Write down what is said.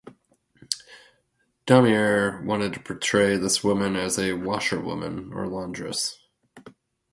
Daumier wanted to portray this woman as a "washerwoman" or laundress.